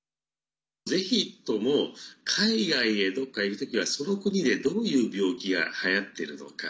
ぜひとも海外へどっか行くときはその国で、どういう病気がはやっているのか。